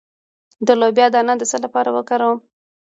د لوبیا دانه د څه لپاره وکاروم؟